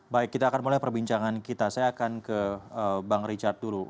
baik kita akan mulai perbincangan kita saya akan ke bang richard dulu